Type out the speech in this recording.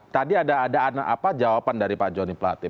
tadi ada adaan apa jawaban dari pak joni platip